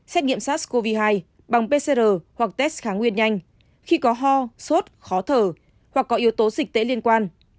xét nghiệm sars cov hai bằng pcr hoặc test kháng nguyên nhanh khi có ho sốt khó thở hoặc có yếu tố dịch tễ liên quan